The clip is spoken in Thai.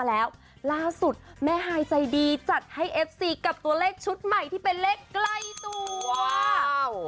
แล้วล่าสุดแม่ฮายใจดีจัดให้เอฟซีกับตัวเลขชุดใหม่ที่เป็นเลขใกล้ตัวว้าว